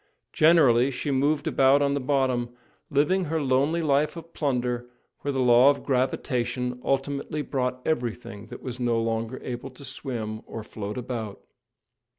Generally, she moved about on the bottom, living her lonely life of plunder where the law of gravitation ultimately brought everything that was no longer able to swim or float about.